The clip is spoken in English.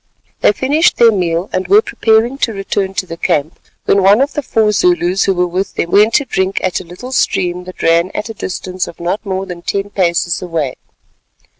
They finished their meal, and were preparing to return to the camp, when one of the four Zulus who were with them went to drink at a little stream that ran at a distance of not more than ten paces away.